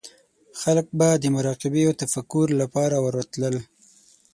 خلک به د مراقبې او تفکر لپاره ورتلل.